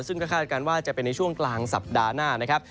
ซึ่งก็คาดการณ์ว่าจะเป็นในช่วงกลางสัปดาห์หน้านะครับ